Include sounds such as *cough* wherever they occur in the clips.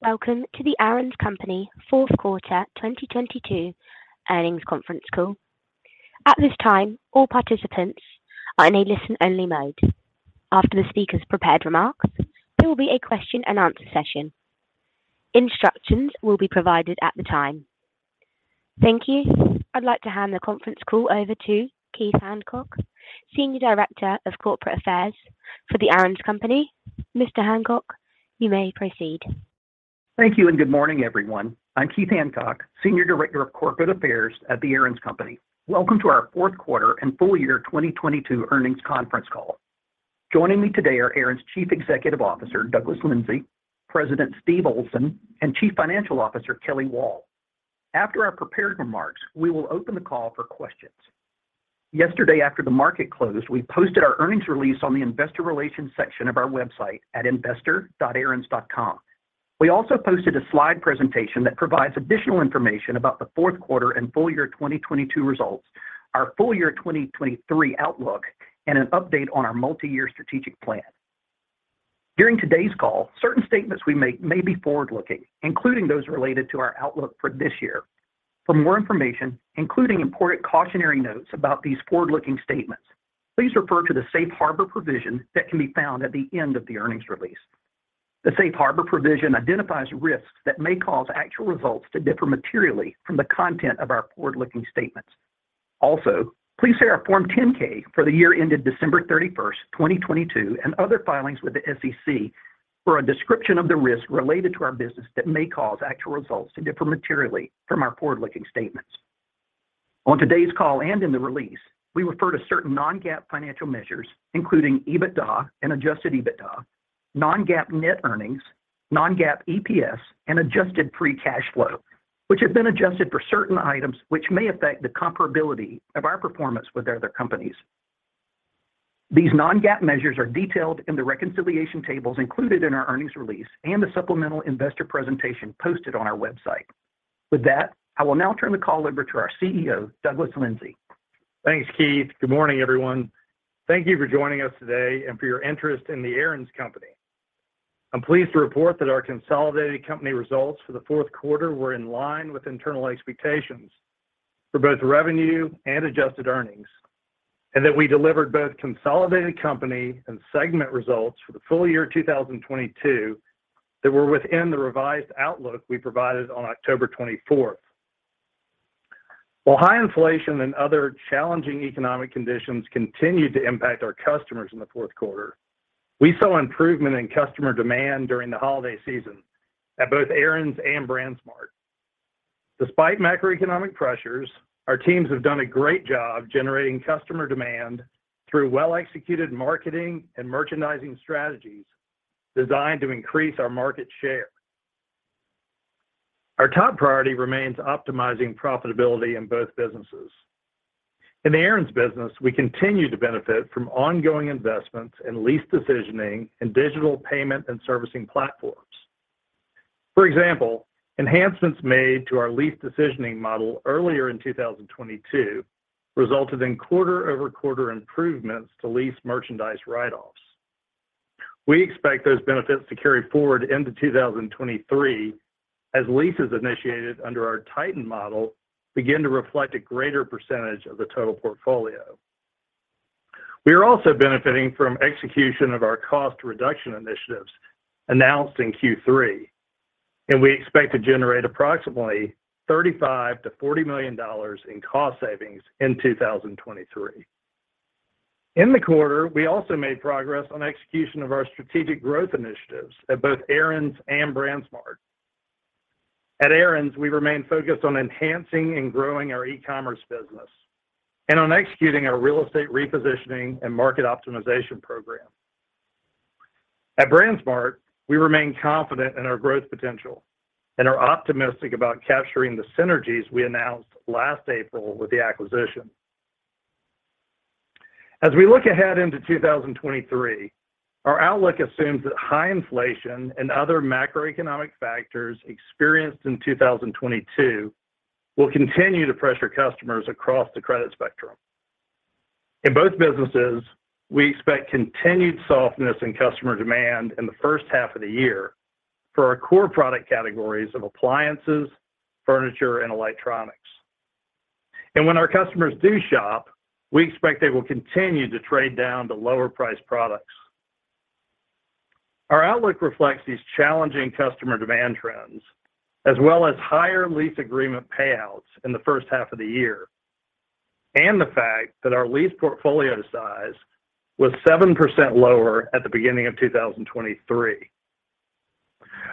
Welcome to The Aaron's Company Fourth Quarter 2022 Earnings Conference Call. At this time, all participants are in a listen-only mode. After the speaker's prepared remarks, there will be a question-and-answer session. Instructions will be provided at the time. Thank you. I'd like to hand the conference call over to Keith Hancock, Senior Director of Corporate Affairs for The Aaron's Company. Mr. Hancock, you may proceed. Thank you, and good morning, everyone. I'm Keith Hancock, Senior Director of Corporate Affairs at The Aaron's Company. Welcome to our fourth quarter and full-year 2022 earnings conference call. Joining me today are Aaron's Chief Executive Officer, Douglas Lindsay, President Steve Olsen, and Chief Financial Officer Kelly Wall. After our prepared remarks, we will open the call for questions. Yesterday, after the market closed, we posted our earnings release on the Investor Relations section of our website at investor.aarons.com. We also posted a slide presentation that provides additional information about the fourth quarter and full year 2022 results, our full-year 2023 outlook, and an update on our multi-year strategic plan. During today's call, certain statements we make may be forward-looking, including those related to our outlook for this year. For more information, including important cautionary notes about these forward-looking statements, please refer to the safe harbor provision that can be found at the end of the earnings release. The Safe Harbor provision identifies risks that may cause actual results to differ materially from the content of our forward-looking statements. Also, please see our Form 10-K for the year ended December 31, 2022 and other filings with the SEC for a description of the risks related to our business that may cause actual results to differ materially from our forward-looking statements. On today's call and in the release, we refer to certain non-GAAP financial measures, including EBITDA and Adjusted EBITDA, non-GAAP net earnings, non-GAAP EPS, and adjusted free cash flow, which have been adjusted for certain items which may affect the comparability of our performance with other companies. These non-GAAP measures are detailed in the reconciliation tables included in our earnings release and the supplemental investor presentation posted on our website. With that, I will now turn the call over to our CEO, Douglas Lindsay. Thanks, Keith. Good morning, everyone. Thank you for joining us today and for your interest in The Aaron's Company. I'm pleased to report that our consolidated company results for the fourth quarter were in line with internal expectations for both revenue and adjusted earnings, and that we delivered both consolidated company and segment results for the full year 2022 that were within the revised outlook we provided on October 24th. While high inflation and other challenging economic conditions continued to impact our customers in the fourth quarter, we saw improvement in customer demand during the holiday season at both Aaron's and BrandsMart. Despite macroeconomic pressures, our teams have done a great job generating customer demand through well-executed marketing and merchandising strategies designed to increase our market share. Our top priority remains optimizing profitability in both businesses. In the Aaron's business, we continue to benefit from ongoing investments in lease decisioning and digital payment and servicing platforms. For example, enhancements made to our lease decisioning model earlier in 2022 resulted in quarter-over-quarter improvements to lease merchandise write-offs. We expect those benefits to carry forward into 2023 as leases initiated under our Titan model begin to reflect a greater percentage of the total portfolio. We are also benefiting from execution of our cost reduction initiatives announced in Q3. We expect to generate approximately $35 million-$40 million in cost savings in 2023. In the quarter, we also made progress on execution of our strategic growth initiatives at both Aaron's and BrandsMart. At Aaron's, we remain focused on enhancing and growing our e-commerce business and on executing our real estate repositioning and market optimization program. At BrandsMart, we remain confident in our growth potential and are optimistic about capturing the synergies we announced last April with the acquisition. As we look ahead into 2023, our outlook assumes that high inflation and other macroeconomic factors experienced in 2022 will continue to pressure customers across the credit spectrum. In both businesses, we expect continued softness in customer demand in the first half of the year for our core product categories of appliances, furniture, and electronics. When our customers do shop, we expect they will continue to trade down to lower-priced products. Our outlook reflects these challenging customer demand trends as well as higher lease agreement payouts in the first half of the year, and the fact that our lease portfolio size was 7% lower at the beginning of 2023.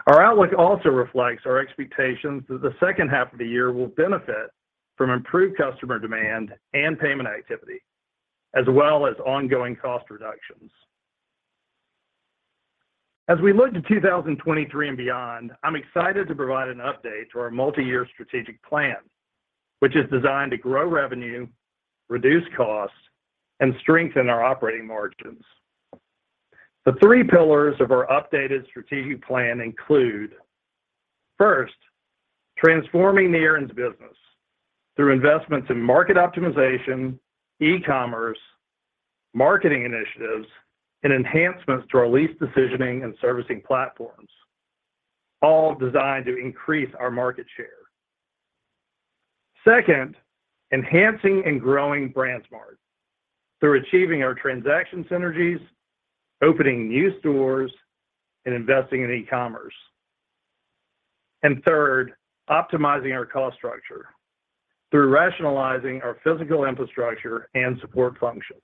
Our outlook also reflects our expectations that the second half of the year will benefit from improved customer demand and payment activity, as well as ongoing cost reductions. As we look to 2023 and beyond, I'm excited to provide an update to our multi-year strategic plan, which is designed to grow revenue, reduce costs, and strengthen our operating margins. The three pillars of our updated strategic plan include, first, transforming the Aaron's business through investments in market optimization, e-commerce, marketing initiatives, and enhancements to our lease decisioning and servicing platforms, all designed to increase our market share. Second, enhancing and growing BrandsMart through achieving our transaction synergies, opening new stores, and investing in e-commerce. Third, optimizing our cost structure through rationalizing our physical infrastructure and support functions.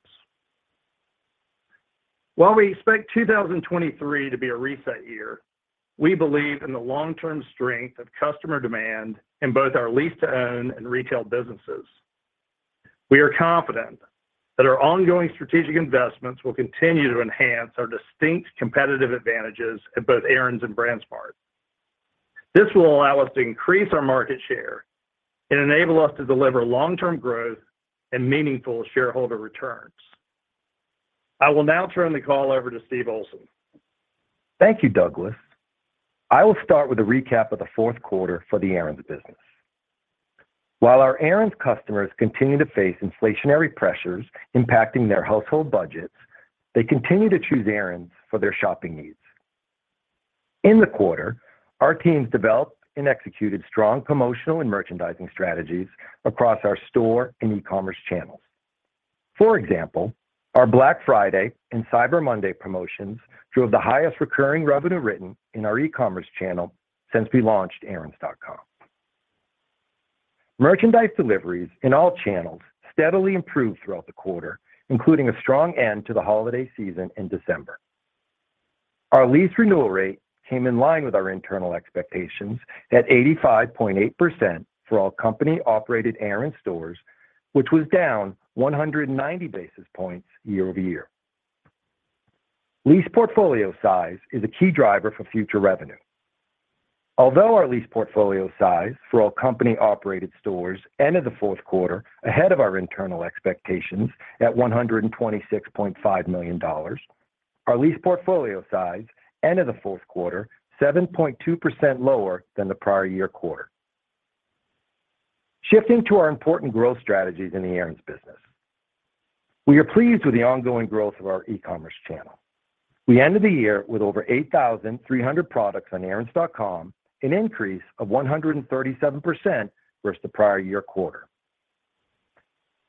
While we expect 2023 to be a reset year, we believe in the long-term strength of customer demand in both our Lease-to-Own and Retail businesses. We are confident that our ongoing strategic investments will continue to enhance our distinct competitive advantages at both Aaron's and BrandsMart. This will allow us to increase our market share and enable us to deliver long-term growth and meaningful shareholder returns. I will now turn the call over to Steve Olsen. Thank you, Douglas. I will start with a recap of the fourth quarter for the Aaron's business. While our Aaron's customers continue to face inflationary pressures impacting their household budgets, they continue to choose Aaron's for their shopping needs. In the quarter, our teams developed and executed strong promotional and merchandising strategies across our store and e-commerce channels. For example, our Black Friday and Cyber Monday promotions drove the highest recurring revenue written in our e-commerce channel since we launched aarons.com. Merchandise deliveries in all channels steadily improved throughout the quarter, including a strong end to the holiday season in December. Our lease renewal rate came in line with our internal expectations at 85.8% for all company-operated Aaron's stores, which was down 190 basis points year-over-year. Lease portfolio size is a key driver for future revenue. Although our lease portfolio size for all company-operated stores ended the fourth quarter ahead of our internal expectations at $126.5 million, our lease portfolio size ended the fourth quarter 7.2% lower than the prior year quarter. Shifting to our important growth strategies in the Aaron's business. We are pleased with the ongoing growth of our e-commerce channel. We ended the year with over 8,300 products on aarons.com, an increase of 137% versus the prior year quarter.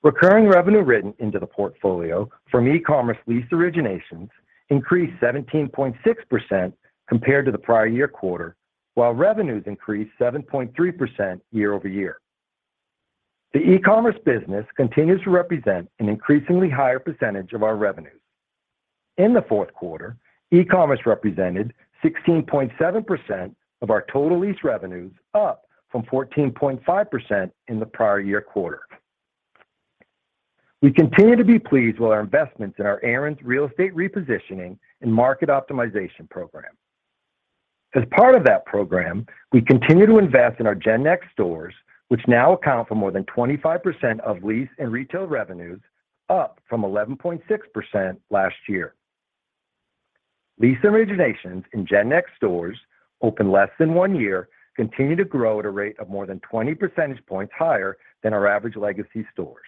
Recurring revenue written into the portfolio from e-commerce lease originations increased 17.6% compared to the prior year quarter, while revenues increased 7.3% year-over-year. The e-commerce business continues to represent an increasingly higher percentage of our revenues. In the fourth quarter, e-commerce represented 16.7% of our total lease revenues, up from 14.5% in the prior year quarter. We continue to be pleased with our investments in our Aaron's real estate repositioning and market optimization program. As part of that program, we continue to invest in our GenNext stores, which now account for more than 25% of Lease and Retail revenues, up from 11.6% last year. Lease originations in GenNext stores open less than one year continue to grow at a rate of more than 20 percentage points higher than our average legacy stores.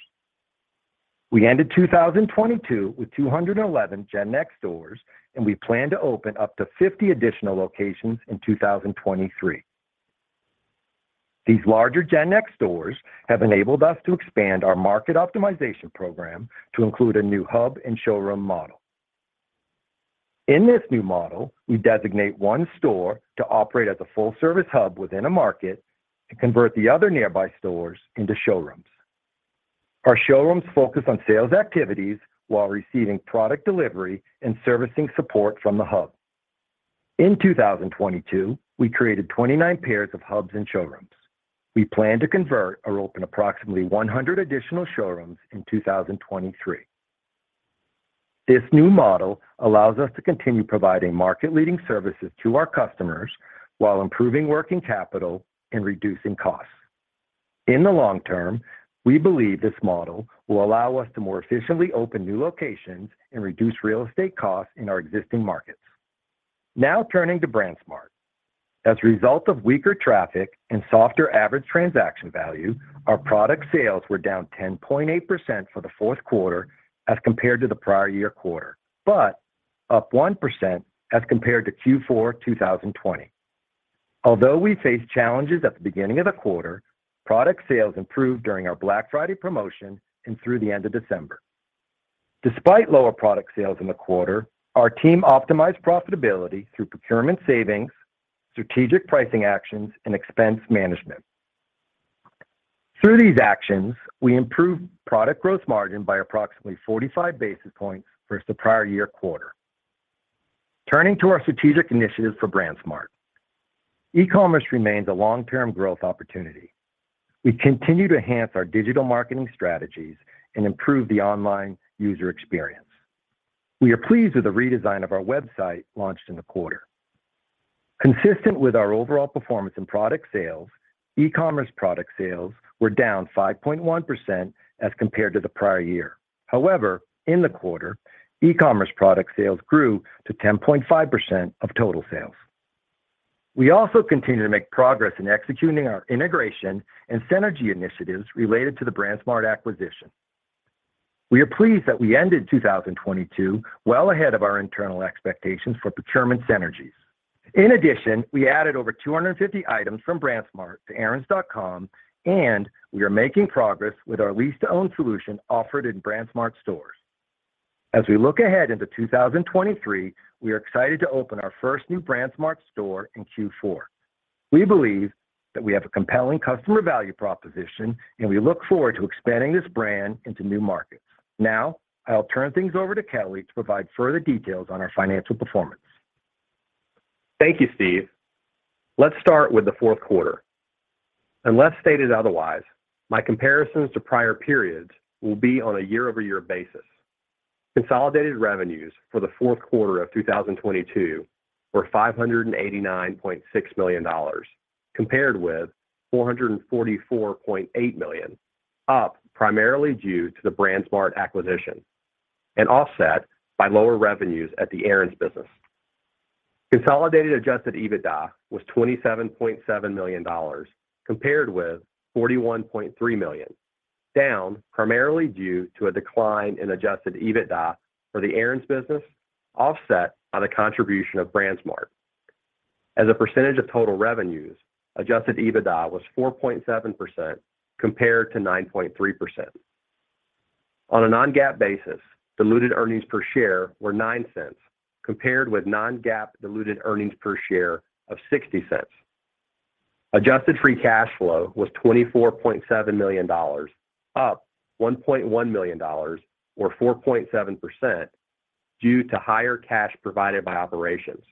We ended 2022 with 211 GenNext stores, and we plan to open up to 50 additional locations in 2023. These larger GenNext stores have enabled us to expand our market optimization program to include a new hub and showroom model. In this new model, we designate one store to operate as a full-service hub within a market and convert the other nearby stores into showrooms. Our showrooms focus on sales activities while receiving product delivery and servicing support from the hub. In 2022, we created 29 pairs of hubs and showrooms. We plan to convert or open approximately 100 additional showrooms in 2023. This new model allows us to continue providing market-leading services to our customers while improving working capital and reducing costs. In the long term, we believe this model will allow us to more efficiently open new locations and reduce real estate costs in our existing markets. Turning to BrandsMart. As a result of weaker traffic and softer average transaction value, our product sales were down 10.8% for the fourth quarter as compared to the prior year quarter, but up 1% as compared to Q4 2020. Although we faced challenges at the beginning of the quarter, product sales improved during our Black Friday promotion and through the end of December. Despite lower product sales in the quarter, our team optimized profitability through procurement savings, strategic pricing actions, and expense management. Through these actions, we improved product growth margin by approximately 45 basis points versus the prior year quarter. Turning to our strategic initiatives for BrandsMart. E-commerce remains a long-term growth opportunity. We continue to enhance our digital marketing strategies and improve the online user experience. We are pleased with the redesign of our website launched in the quarter. Consistent with our overall performance in product sales, e-commerce product sales were down 5.1% as compared to the prior year. However, in the quarter, e-commerce product sales grew to 10.5% of total sales. We also continue to make progress in executing our integration and synergy initiatives related to the BrandsMart acquisition. We are pleased that we ended 2022 well ahead of our internal expectations for procurement synergies. In addition, we added over 250 items from BrandsMart to aarons.com, and we are making progress with our lease-to-own solution offered in BrandsMart stores. As we look ahead into 2023, we are excited to open our first new BrandsMart store in Q4. We believe that we have a compelling customer value proposition, and we look forward to expanding this brand into new markets. I'll turn things over to Kelly to provide further details on our financial performance. Thank you, Steve. Let's start with the fourth quarter. Unless stated otherwise, my comparisons to prior periods will be on a year-over-year basis. Consolidated revenues for the fourth quarter of 2022 were $589.6 million, compared with $444.8 million, up primarily due to the BrandsMart acquisition and offset by lower revenues at the Aaron's business. Consolidated Adjusted EBITDA was $27.7 million compared with $41.3 million, down primarily due to a decline in Adjusted EBITDA for the Aaron's business, offset by the contribution of BrandsMart. As a percentage of total revenues, Adjusted EBITDA was 4.7% compared to 9.3%. On a non-GAAP basis, diluted earnings per share were $0.09 compared with non-GAAP diluted earnings per share of $0.60. Adjusted free cash flow was $24.7 million, up $1.1 million or 4.7% due to higher cash provided by operations,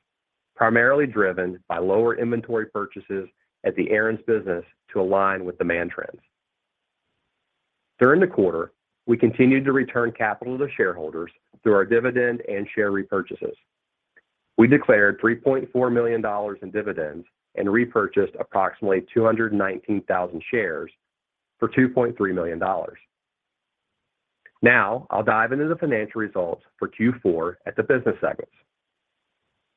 primarily driven by lower inventory purchases at the Aaron's business to align with demand trends. During the quarter, we continued to return capital to shareholders through our dividend and share repurchases. We declared $3.4 million in dividends and repurchased approximately 219,000 shares for $2.3 million. I'll dive into the financial results for Q4 at the business segments.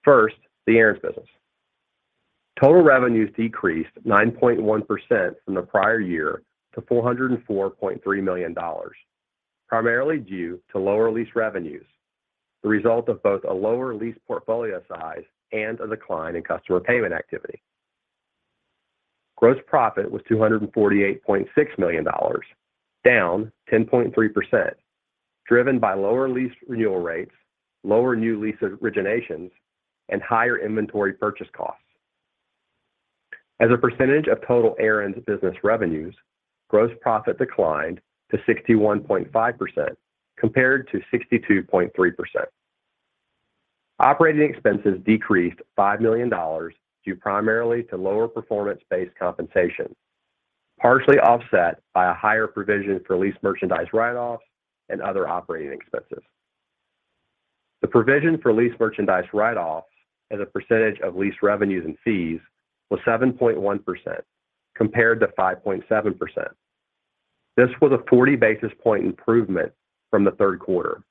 First, the Aaron's business. Total revenues decreased 9.1% from the prior year to $404.3 million, primarily due to lower lease revenues, the result of both a lower lease portfolio size and a decline in customer payment activity. Gross profit was $248.6 million, down 10.3%, driven by lower lease renewal rates, lower new lease originations, and higher inventory purchase costs. As a percentage of total Aaron's business revenues, gross profit declined to 61.5% compared to 62.3%. Operating expenses decreased $5 million due primarily to lower performance-based compensation, partially offset by a higher provision for lease merchandise write-offs and other operating expenses. The provision for lease merchandise write-offs as a percentage of leased revenues and fees was 7.1% compared to 5.7%. This was a 40 basis point improvement from the third quarter,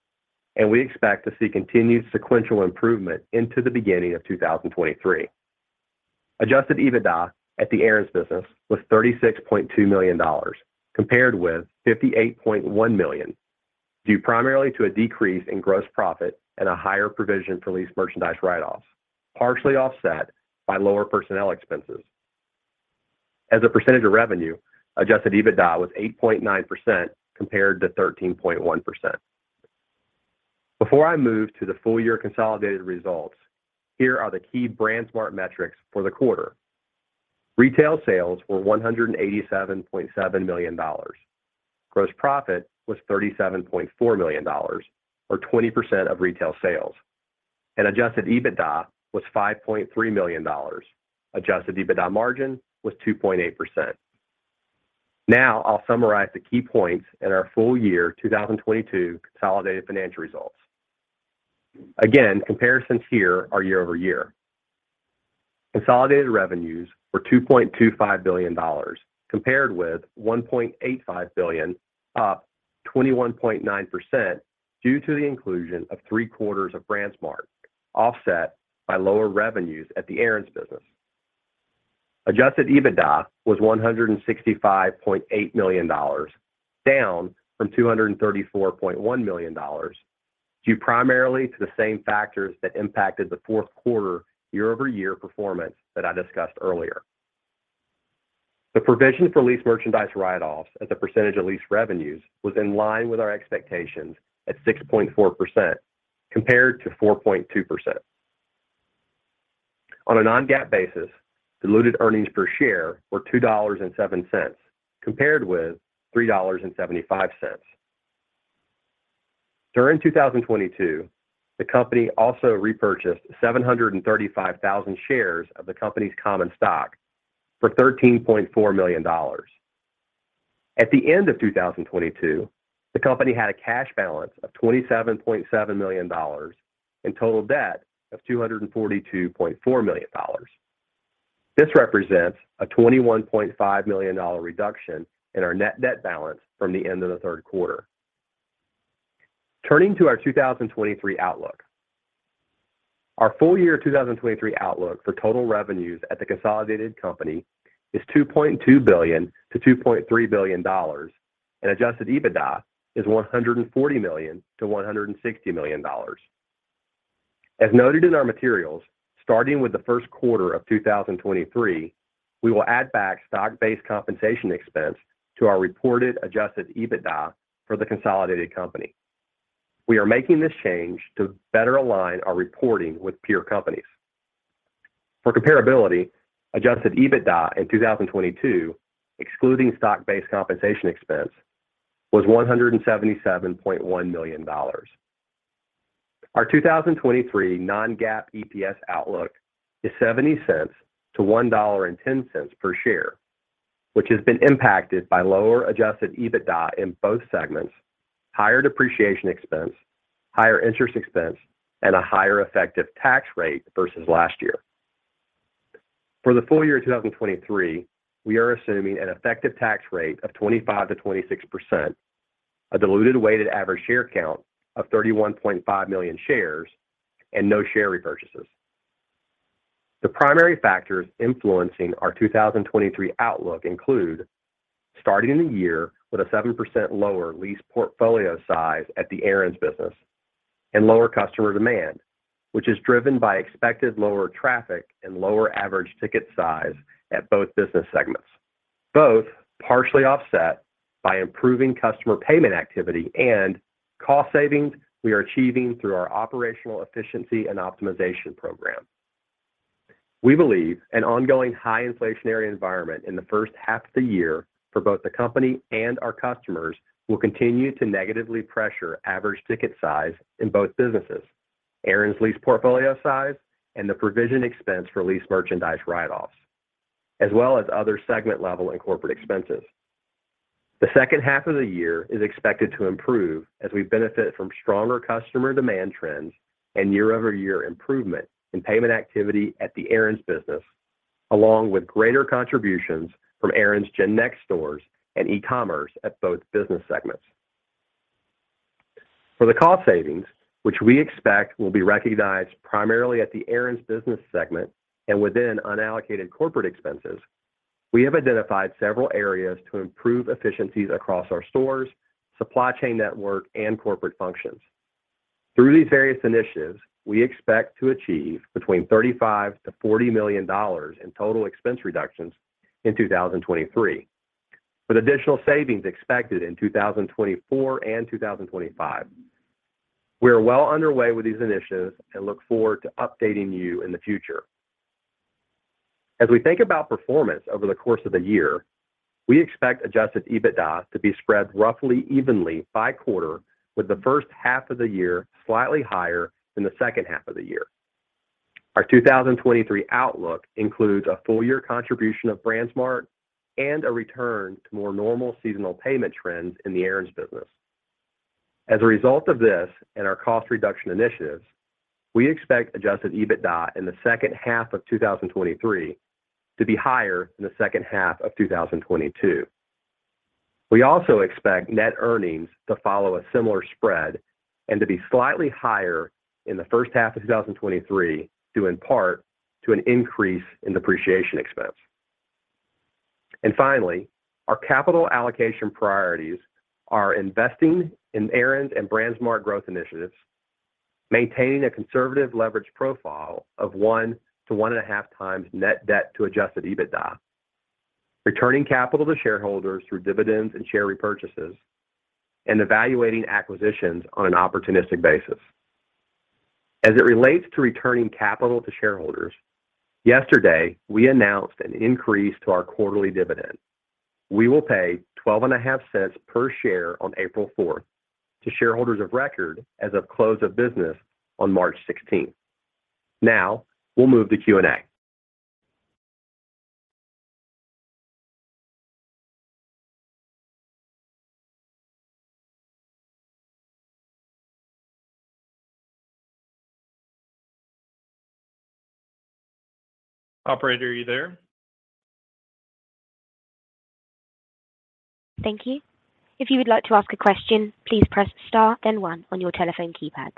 and we expect to see continued sequential improvement into the beginning of 2023. Adjusted EBITDA at the Aaron's business was $36.2 million compared with $58.1 million, due primarily to a decrease in gross profit and a higher provision for lease merchandise write-offs, partially offset by lower personnel expenses. As a percentage of revenue, Adjusted EBITDA was 8.9% compared to 13.1%. Before I move to the full year consolidated results, here are the key BrandsMart metrics for the quarter. Retail sales were $187.7 million. Gross profit was $37.4 million, or 20% of Retail sales, and Adjusted EBITDA was $5.3 million. Adjusted EBITDA margin was 2.8%. I'll summarize the key points in our full year 2022 consolidated financial results. Again, comparisons here are year-over-year. Consolidated revenues were $2.25 billion compared with $1.85 billion, up 21.9% due to the inclusion of three quarters of BrandsMart, offset by lower revenues at the Aaron's business. Adjusted EBITDA was $165.8 million, down from $234.1 million due primarily to the same factors that impacted the fourth quarter year-over-year performance that I discussed earlier. The provision for lease merchandise write-offs as a percentage of leased revenues was in line with our expectations at 6.4% compared to 4.2%. On a non-GAAP basis, diluted earnings per share were $2.07 compared with $3.75. During 2022, the company also repurchased 735,000 shares of the company's common stock for $13.4 million. At the end of 2022, the company had a cash balance of $27.7 million and total debt of $242.4 million. This represents a $21.5 million reduction in our net debt balance from the end of the third quarter. Turning to our 2023 outlook. Our full-year 2023 outlook for total revenues at the consolidated company is $2.2 billion-$2.3 billion and Adjusted EBITDA is $140 million-$160 million. As noted in our materials, starting with the first quarter of 2023, we will add back stock-based compensation expense to our reported Adjusted EBITDA for the consolidated company. We are making this change to better align our reporting with peer companies. For comparability, Adjusted EBITDA in 2022, excluding stock-based compensation expense, was $177.1 million. Our 2023 non-GAAP EPS outlook is $0.70-$1.10 per share, which has been impacted by lower Adjusted EBITDA in both segments, higher depreciation expense, higher interest expense, and a higher effective tax rate versus last year. For the full-year 2023, we are assuming an effective tax rate of 25%-26%, a diluted weighted average share count of 31.5 million shares, and no share repurchases. The primary factors influencing our 2023 outlook include starting the year with a 7% lower lease portfolio size at the Aaron's business and lower customer demand, which is driven by expected lower traffic and lower average ticket size at both business segments. Both partially offset by improving customer payment activity and cost savings we are achieving through our operational efficiency and optimization program. We believe an ongoing high inflationary environment in the first half of the year for both the company and our customers will continue to negatively pressure average ticket size in both businesses. Aaron's lease portfolio size and the provision expense for leased merchandise write-offs, as well as other segment level and corporate expenses. The second half of the year is expected to improve as we benefit from stronger customer demand trends and year-over-year improvement in payment activity at the Aaron's business, along with greater contributions from Aaron's GenNext Stores & E-commerce at both business segments. For the cost savings, which we expect will be recognized primarily at the Aaron's business segment and within unallocated corporate expenses, we have identified several areas to improve efficiencies across our stores, supply chain network, and corporate functions. Through these various initiatives, we expect to achieve between $35 million-$40 million in total expense reductions in 2023, with additional savings expected in 2024 and 2025. We are well underway with these initiatives and look forward to updating you in the future. As we think about performance over the course of the year, we expect Adjusted EBITDA to be spread roughly evenly by quarter, with the first half of the year slightly higher than the second half of the year. Our 2023 outlook includes a full year contribution of BrandsMart U.S.A. and a return to more normal seasonal payment trends in the Aaron's business. As a result of this and our cost reduction initiatives, we expect Adjusted EBITDA in the second half of 2023 to be higher than the second half of 2022. We also expect net earnings to follow a similar spread and to be slightly higher in the first half of 2023, due in part to an increase in depreciation expense. Finally, our capital allocation priorities are investing in Aaron's and BrandsMart U.S.A. growth initiatives, maintaining a conservative leverage profile of 1 to 1.5x net debt to Adjusted EBITDA, returning capital to shareholders through dividends and share repurchases, and evaluating acquisitions on an opportunistic basis. As it relates to returning capital to shareholders, yesterday, we announced an increase to our quarterly dividend. We will pay $0.125 per share on April 4th to shareholders of record as of close of business on March 16th. Now we'll move to Q&A. Operator, are you there? Thank you. If you would like to ask a question, please press star then one on your telephone keypads.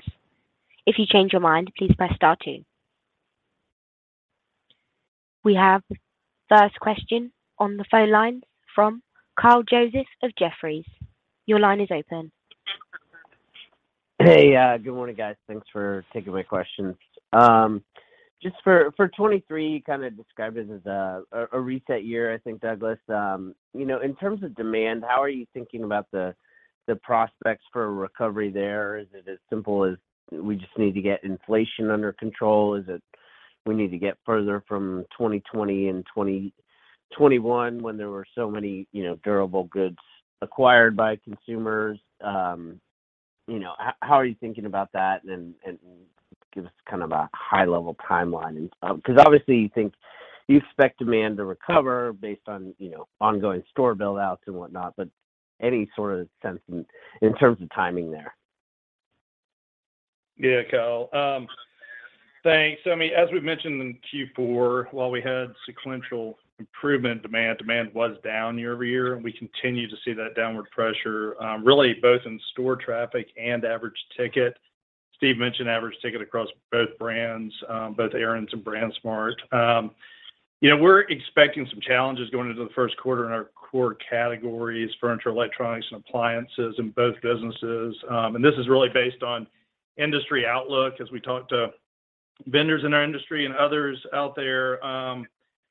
If you change your mind, please press star two. We have the first question on the phone lines from Kyle Joseph of Jefferies. Your line is open. Hey, good morning, guys. Thanks for taking my questions. Just for 2023, you kind of described it as a reset year, I think, Douglas. You know, in terms of demand, how are you thinking about the prospects for a recovery there? Is it as simple as we just need to get inflation under control? Is it we need to get further from 2020 and 2021 when there were so many, you know, durable goods acquired by consumers? You know, how are you thinking about that and give us kind of a high-level timeline? 'Cause obviously you think you expect demand to recover based on, you know, ongoing store build outs and whatnot, but any sort of sense in terms of timing there? Yeah, Kyle. Thanks. I mean, as we've mentioned in Q4, while we had sequential improvement demand was down year-over-year, and we continue to see that downward pressure really both in store traffic and average ticket. Steve mentioned average ticket across both brands, both Aaron's and BrandsMart. You know, we're expecting some challenges going into the first quarter in our core categories, furniture, electronics and appliances in both businesses. This is really based on industry outlook as we talk to vendors in our industry and others out there,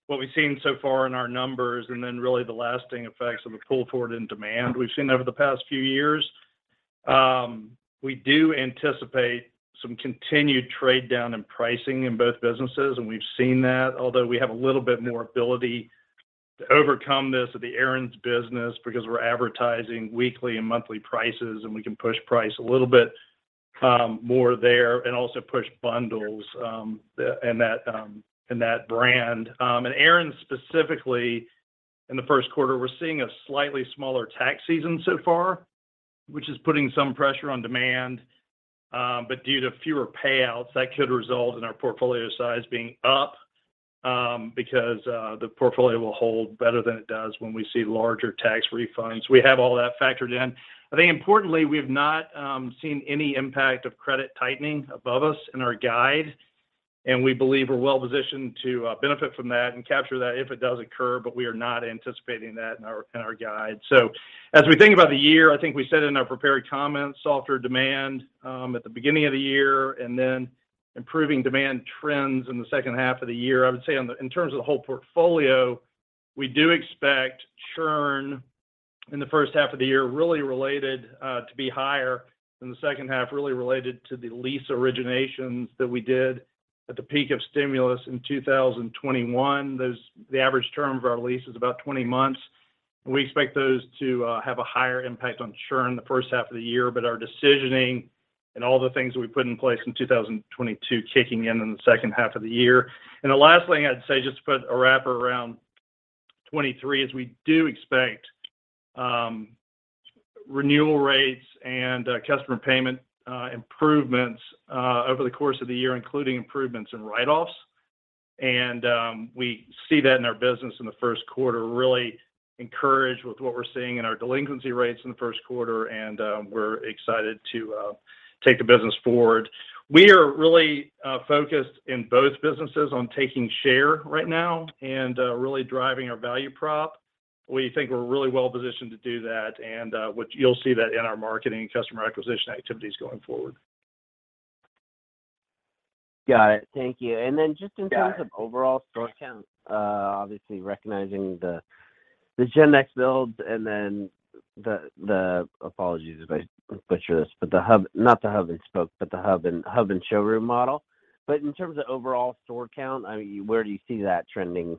what we've seen so far in our numbers, and then really the lasting effects of a pull forward in demand we've seen over the past few years. We do anticipate some continued trade down in pricing in both businesses, and we've seen that. We have a little bit more ability to overcome this at the Aaron's business because we're advertising weekly and monthly prices, and we can push price a little bit more there and also push bundles in that in that brand. In Aaron's specifically, in the first quarter, we're seeing a slightly smaller tax season so far, which is putting some pressure on demand. Due to fewer payouts, that could result in our portfolio size being up because the portfolio will hold better than it does when we see larger tax refunds. We have all that factored in. I think importantly, we have not seen any impact of credit tightening above us in our guide, and we believe we're well positioned to benefit from that and capture that if it does occur, but we are not anticipating that in our, in our guide. As we think about the year, I think we said it in our prepared comments, softer demand at the beginning of the year and then improving demand trends in the second half of the year. I would say in terms of the whole portfolio, we do expect churn in the first half of the year really related to be higher than the second half, really related to the lease originations that we did at the peak of stimulus in 2021. The average term of our lease is about 20 months. We expect those to have a higher impact on churn the first half of the year. Our decisioning and all the things that we put in place in 2022 kicking in in the second half of the year. The last thing I'd say, just to put a wrapper around 2023, is we do expect renewal rates and customer payment improvements over the course of the year, including improvements in write-offs. We see that in our business in the first quarter, really encouraged with what we're seeing in our delinquency rates in the first quarter. We're excited to take the business forward. We are really focused in both businesses on taking share right now and really driving our value prop. We think we're really well positioned to do that and, which you'll see that in our marketing and customer acquisition activities going forward. Got it. Thank you. Got it. *crosstalk* in terms of overall store count, obviously recognizing the GenNext build and then apologies if I butcher this, but the hub, not the hub and spoke, but the hub and showroom model. In terms of overall store count, I mean, where do you see that trending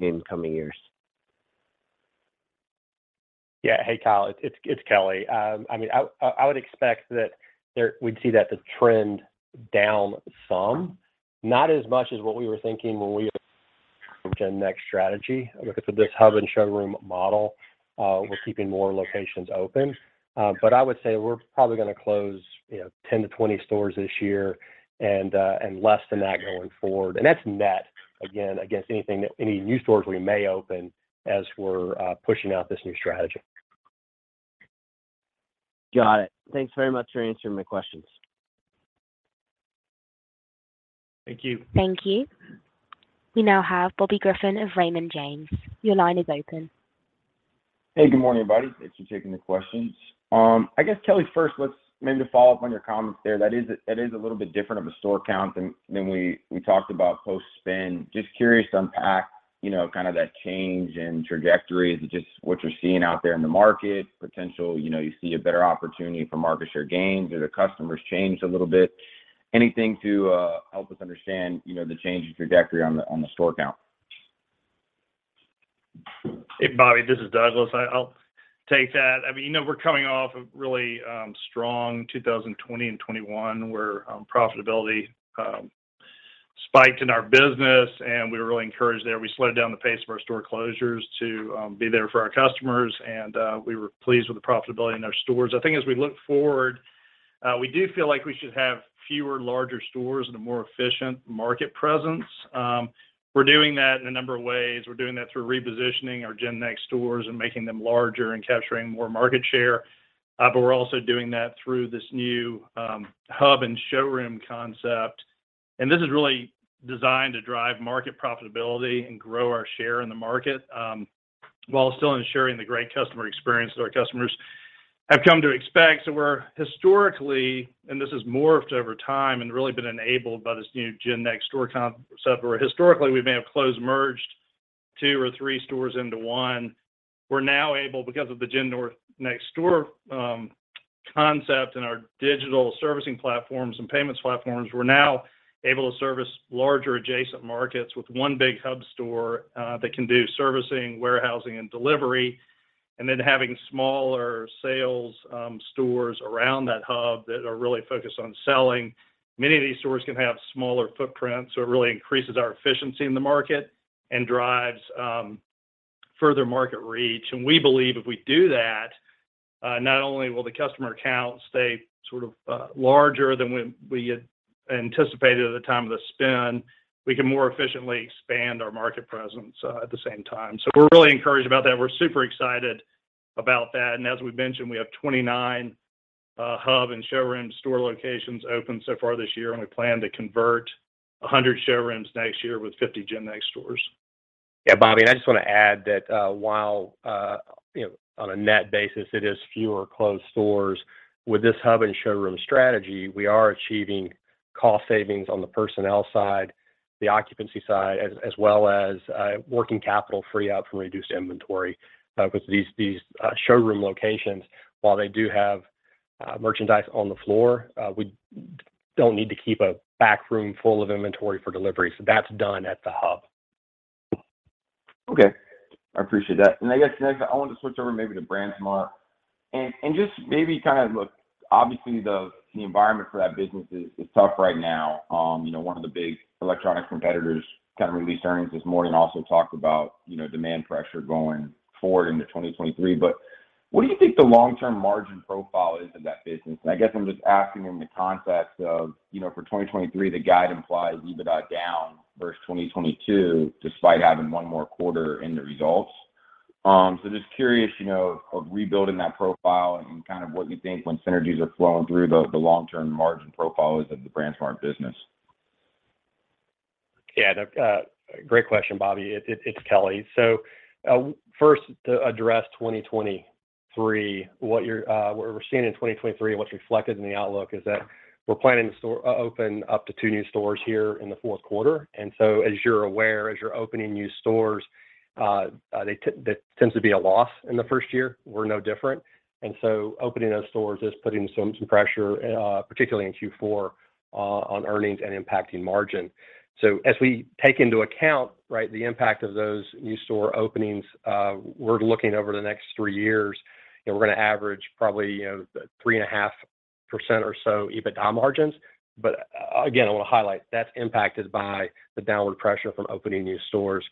in coming years? Yeah. Hey, Kyle, it's Kelly. I mean, I would expect we'd see that to trend down some. Not as much as what we were thinking when we approached GenNext strategy. With this hub and showroom model, we're keeping more locations open. I would say we're probably gonna close, you know, 10-20 stores this year and less than that going forward. That's net, again, against any new stores we may open as we're pushing out this new strategy. Got it. Thanks very much for answering my questions. Thank you. Thank you. We now have Bobby Griffin of Raymond James. Your line is open. Hey, good morning, everybody. Thanks for taking the questions. I guess, Kelly, first, let's maybe just follow up on your comments there. That is a little bit different of a store count than we talked about post-spin. Just curious to unpack, you know, kind of that change in trajectory. Is it just what you're seeing out there in the market? Potential, you know, you see a better opportunity for market share gains or the customer's changed a little bit? Anything to help us understand, you know, the change in trajectory on the store count? Hey, Bobby, this is Douglas. I'll take that. I mean, you know, we're coming off a really strong 2020 and 2021, where profitability spiked in our business, and we were really encouraged there. We slowed down the pace of our store closures to be there for our customers, and we were pleased with the profitability in our stores. I think as we look forward, we do feel like we should have fewer larger stores and a more efficient market presence. We're doing that in a number of ways. We're doing that through repositioning our GenNext stores and making them larger and capturing more market share. We're also doing that through this new hub and showroom concept. This is really designed to drive market profitability and grow our share in the market, while still ensuring the great customer experience that our customers have come to expect. We're historically, and this has morphed over time and really been enabled by this new GenNext store concept, where historically, we may have closed, merged two or three stores into one. We're now able, because of the GenNext store concept and our digital servicing platforms and payments platforms, we're now able to service larger adjacent markets with one big hub store that can do servicing, warehousing, and delivery. Then having smaller sales stores around that hub that are really focused on selling. Many of these stores can have smaller footprints, so it really increases our efficiency in the market and drives further market reach. We believe if we do that, not only will the customer count stay sort of larger than when we had anticipated at the time of the spend, we can more efficiently expand our market presence at the same time. We're really encouraged about that. We're super excited about that. As we've mentioned, we have 29 hub and showroom store locations open so far this year, and we plan to convert 100 showrooms next year with 50 GenNext stores. Bobby, I just wanna add that, while, you know, on a net basis, it is fewer closed stores, with this hub and showroom strategy, we are achieving cost savings on the personnel side, the occupancy side, as well as, working capital free up from reduced inventory. 'Cause these showroom locations, while they do have, merchandise on the floor, we don't need to keep a back room full of inventory for delivery, so that's done at the hub. Okay. I appreciate that. I guess next I wanted to switch over maybe to BrandsMart and just maybe kind of look... Obviously, the environment for that business is tough right now. You know, one of the big electronic competitors kind of released earnings this morning, also talked about, you know, demand pressure going forward into 2023. What do you think the long-term margin profile is of that business? I guess I'm just asking in the context of, you know, for 2023, the guide implies EBITDA down versus 2022, despite having one more quarter in the results. Just curious, you know, of rebuilding that profile and kind of what you think when synergies are flowing through the long-term margin profile is of the BrandsMart business. No, great question, Bobby. It's Kelly. First to address 2023, what we're seeing in 2023 and what's reflected in the outlook is that we're planning to open up to two new stores here in the fourth quarter. As you're aware, as you're opening new stores, there tends to be a loss in the 1st year. We're no different. Opening those stores is putting some pressure, particularly in Q4, on earnings and impacting margin. As we take into account, right, the impact of those new store openings, we're looking over the next three years and we're gonna average probably, you know, 3.5% or so EBITDA margins. Again, I wanna highlight that's impacted by the downward pressure from opening new stores.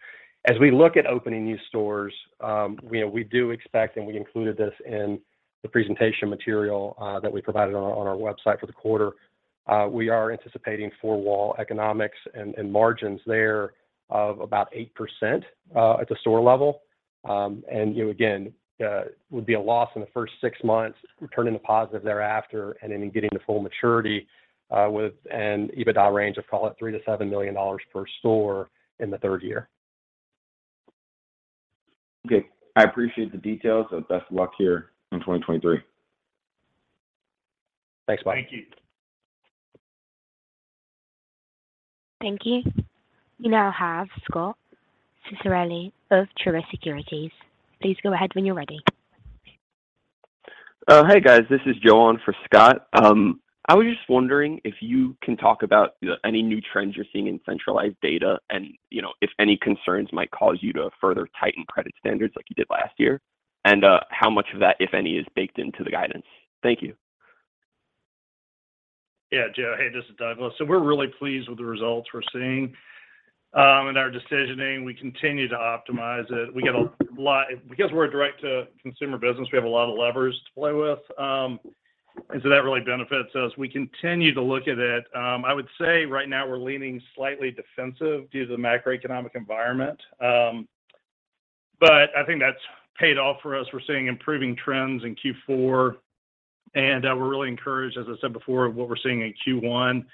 As we look at opening new stores, you know, we do expect, and we included this in the presentation material, that we provided on our website for the quarter, we are anticipating four-wall economics and margins there of about 8% at the store level. You know, again, would be a loss in the first six months, turning a positive thereafter and then getting to full maturity, with an EBITDA range of call it $3 million-$7 million per store in the third year. Okay. I appreciate the details. Best of luck here in 2023. Thanks, Bobby. Thank you. Thank you. We now have Scot Ciccarelli of Truist Securities. Please go ahead when you're ready. Hey, guys. This is Joe on for Scot. I was just wondering if you can talk about, you know, any new trends you're seeing in centralized decisioning and, you know, if any concerns might cause you to further tighten credit standards like you did last year, and how much of that, if any, is baked into the guidance. Thank you. Yeah. Joe. Hey, this is Douglas. We're really pleased with the results we're seeing. In our decisioning, we continue to optimize it. We get a lot Because we're a direct to consumer business, we have a lot of levers to play with. That really benefits us. We continue to look at it. I would say right now we're leaning slightly defensive due to the macroeconomic environment. I think that's paid off for us. We're seeing improving trends in Q4, and we're really encouraged, as I said before, of what we're seeing in Q1.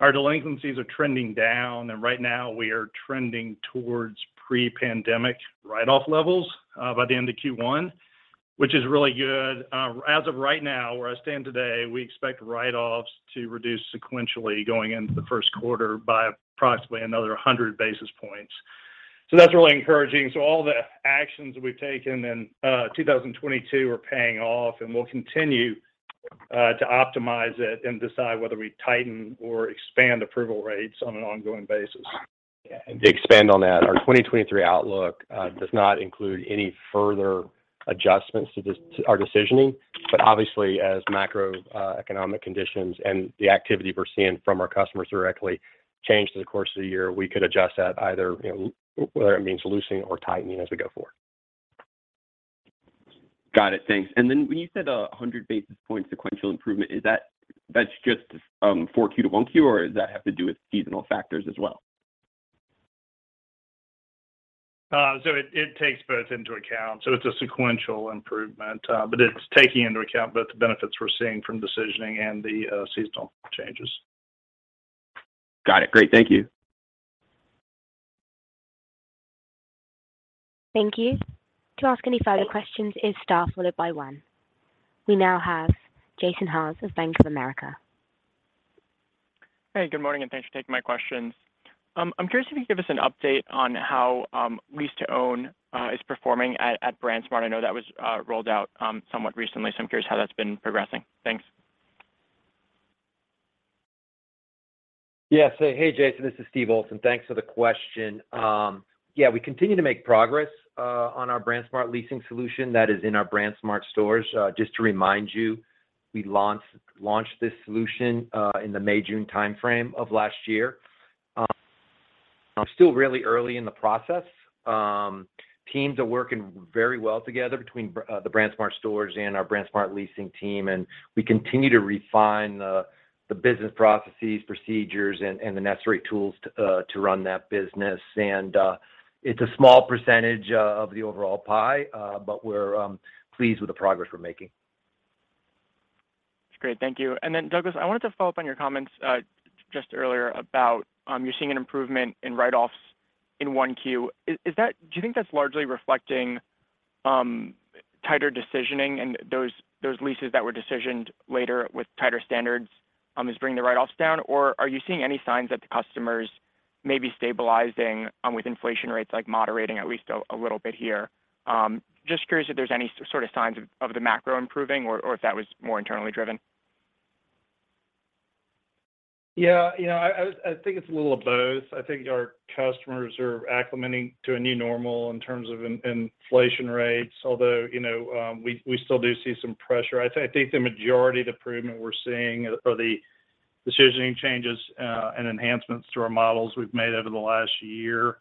Our delinquencies are trending down, and right now we are trending towards pre-pandemic write-off levels by the end of Q1, which is really good. As of right now, where I stand today, we expect write-offs to reduce sequentially going into the first quarter by approximately another 100 basis points. That's really encouraging. All the actions we've taken in 2022 are paying off, and we'll continue to optimize it and decide whether we tighten or expand approval rates on an ongoing basis. Yeah. To expand on that, our 2023 outlook does not include any further adjustments to our decisioning. Obviously, as macro economic conditions and the activity we're seeing from our customers directly change through the course of the year, we could adjust that either, you know, whether it means loosening or tightening as we go forward. Got it. Thanks. Then when you said 100 basis points sequential improvement, is that's just, 4Q to 1Q, or does that have to do with seasonal factors as well? It takes both into account, so it's a sequential improvement. It's taking into account both the benefits we're seeing from decisioning and the seasonal changes. Got it. Great. Thank you. Thank you. To ask any further questions, hit star followed by one. We now have Jason Haas of Bank of America. Hey, good morning, and thanks for taking my questions. I'm curious if you can give us an update on how lease-to-own is performing at BrandsMart. I know that was rolled out somewhat recently, so I'm curious how that's been progressing. Thanks. Hey, Jason, this is Steve Olsen. Thanks for the question. We continue to make progress on our BrandsMart Leasing Solution that is in our BrandsMart stores. Just to remind you, we launched this solution in the May-June timeframe of last year. I'm still really early in the process. Teams are working very well together between the BrandsMart stores and our BrandsMart leasing team, and we continue to refine the business processes, procedures, and the necessary tools to run that business. It's a small percentage of the overall pie, but we're pleased with the progress we're making. That's great. Thank you. Then Douglas, I wanted to follow up on your comments, just earlier about, you're seeing an improvement in write-offs in 1Q. Do you think that's largely reflecting, tighter decisioning and those leases that were decisioned later with tighter standards, is bringing the write-offs down? Or are you seeing any signs that the customers may be stabilizing, with inflation rates like moderating at least a little bit here? Just curious if there's any sort of signs of the macro improving or if that was more internally driven. Yeah. You know, I think it's a little of both. I think our customers are acclimating to a new normal in terms of inflation rates, although, you know, we still do see some pressure. I think the majority of the improvement we're seeing are the decisioning changes and enhancements to our models we've made over the last year.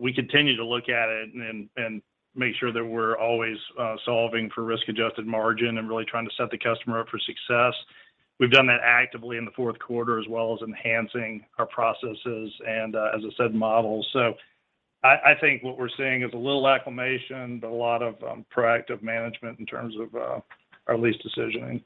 We continue to look at it and make sure that we're always solving for risk-adjusted margin and really trying to set the customer up for success. We've done that actively in the fourth quarter, as well as enhancing our processes and, as I said, models. I think what we're seeing is a little acclimation, but a lot of proactive management in terms of our lease decisioning.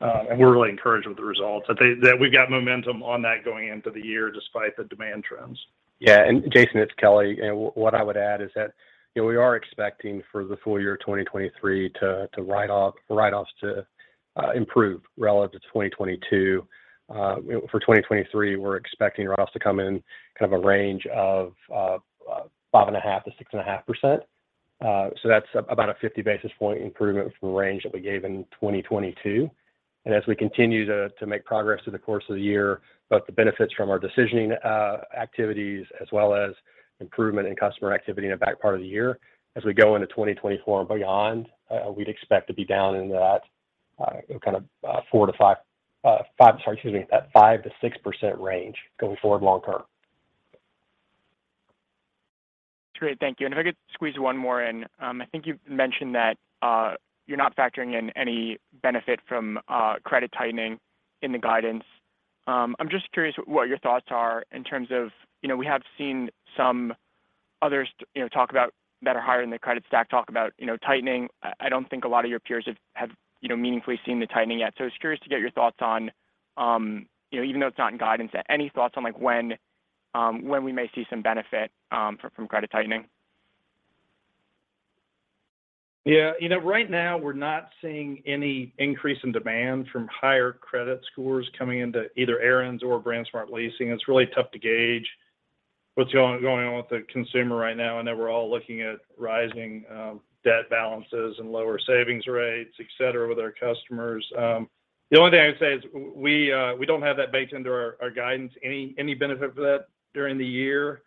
We're really encouraged with the results. I think that we've got momentum on that going into the year despite the demand trends. Yeah. Jason, it's Kelly. You know, what I would add is that, you know, we are expecting for the full year of 2023 to write-offs to improve relative to 2022. You know, for 2023, we're expecting write-offs to come in kind of a range of 5.5%-6.5%. That's about a 50 basis point improvement from the range that we gave in 2022. As we continue to make progress through the course of the year, both the benefits from our decisioning activities as well as improvement in customer activity in the back part of the year, as we go into 2024 and beyond, we'd expect to be down into that kind of 4%-5%. Sorry, excuse me, that 5%-6% range going forward long term. Great. Thank you. If I could squeeze one more in. I think you've mentioned that you're not factoring in any benefit from credit tightening in the guidance. I'm just curious what your thoughts are in terms of, you know, we have seen some others, you know, talk about that are higher in the credit stack talk about, you know, tightening. I don't think a lot of your peers have, you know, meaningfully seen the tightening yet. Just curious to get your thoughts on, you know, even though it's not in guidance, any thoughts on like when we may see some benefit from credit tightening? Yeah. You know, right now, we're not seeing any increase in demand from higher credit scores coming into either Aaron's or BrandsMart leasing. It's really tough to gauge what's going on with the consumer right now. I know we're all looking at rising debt balances and lower savings rates, et cetera, with our customers. The only thing I would say is we don't have that baked into our guidance, any benefit for that during the year.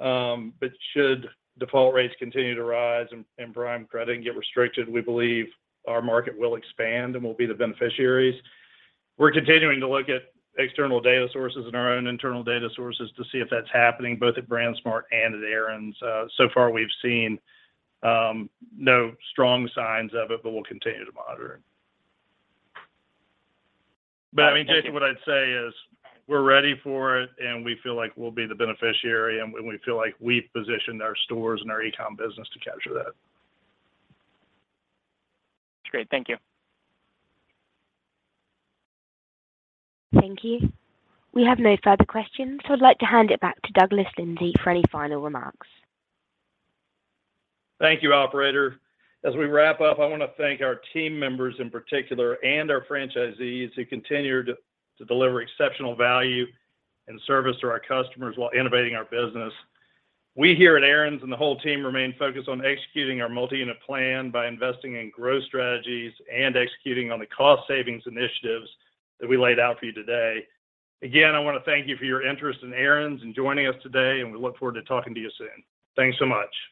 Should default rates continue to rise and prime credit get restricted, we believe our market will expand and we'll be the beneficiaries. We're continuing to look at external data sources and our own internal data sources to see if that's happening both at BrandsMart and at Aaron's. So far, we've seen no strong signs of it, but we'll continue to monitor it. I mean, Jason, what I'd say is we're ready for it, and we feel like we'll be the beneficiary, and we feel like we've positioned our stores & our e-com business to capture that. That's great. Thank you. Thank you. We have no further questions, so I'd like to hand it back to Douglas Lindsay for any final remarks. Thank you, operator. As we wrap up, I wanna thank our team members in particular and our franchisees who continue to deliver exceptional value and service to our customers while innovating our business. We here at Aaron's and the whole team remain focused on executing our multi-unit plan by investing in growth strategies and executing on the cost savings initiatives that we laid out for you today. I wanna thank you for your interest in Aaron's and joining us today, and we look forward to talking to you soon. Thanks so much.